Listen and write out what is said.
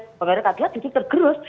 honorat k dua itu tergerus